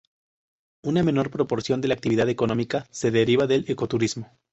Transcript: Una menor proporción de la actividad económica se deriva del ecoturismo.